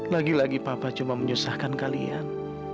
lagi lagi papa cuma menyusahkan kalian